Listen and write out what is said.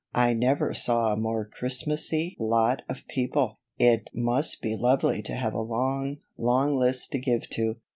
"I never saw a more Christmassy lot of people. It must be lovely to have a long, long list to give to."